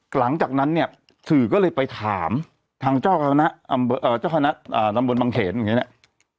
หลังจากนั้นเนี่ยสื่อก็เลยไปถามทางเจ้าคณะอำเบอร์เอ่อเจ้าคณะอ่าลำบลบังเถรอย่างเงี้ยเนี้ย